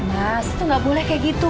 mas itu gak boleh kayak gitu